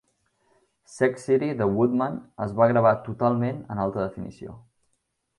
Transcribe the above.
"Sex City" de Woodman es va gravar totalment en alta definició.